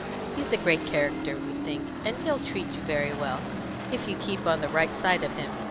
He's a great character, we think, and he'll treat you very well, if you keep on the right side of him.